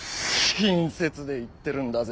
親切で言ってるんだぜ。